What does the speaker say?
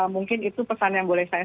mungkin itu pesan yang boleh saya